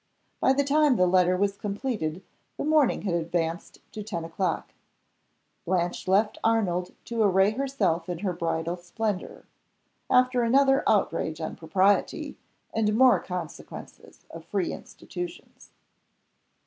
By the time the letter was completed the morning had advanced to ten o'clock. Blanche left Arnold to array herself in her bridal splendor after another outrage on propriety, and more consequences of free institutions.